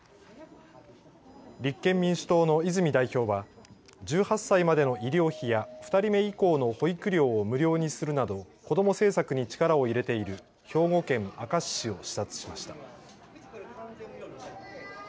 立憲民主党の泉代表は、１８歳までの医療費や２人目以降の保育料を無料にするなど子ども政策に力を入れている兵庫県明石市を視察しました。